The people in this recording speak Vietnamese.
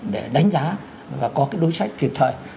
để đánh giá và có đối sách kịp thời